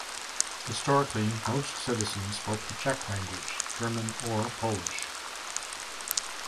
Historically, most residents spoke the Czech language, German, or Polish.